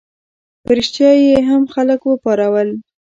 په ریشتیا یې هم خلک وپارول.